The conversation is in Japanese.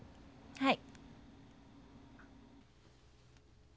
はい。